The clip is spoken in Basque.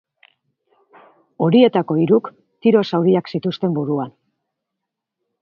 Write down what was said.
Horietako hiruk tiro zauriak zituzten buruan.